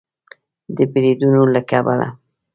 د بریدونو له کبله